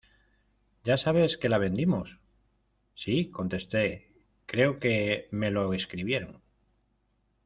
¿Ya sabes que la vendimos? sí contesté creo que me lo escribieron.